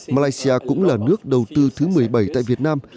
malaysia cũng là nước đầu tư thứ một mươi bảy tại việt nam